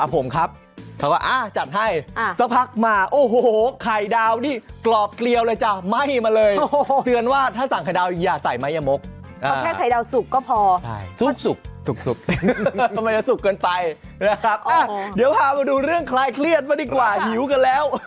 ผ่าไปดูเรื่องใครเครียดด้วยดีกว่าหิวกันแล้ว